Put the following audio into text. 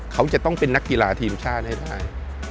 เขาจะต้องเป็นนักกีฬาทีมชาติให้ได้